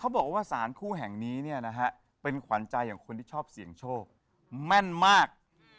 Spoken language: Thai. บอกว่าสารคู่แห่งนี้เนี่ยนะฮะเป็นขวัญใจของคนที่ชอบเสี่ยงโชคแม่นมาก